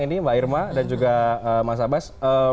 ini mbak irma dan juga mas abbas